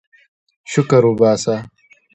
شکر وباسه.